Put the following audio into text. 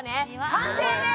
完成です！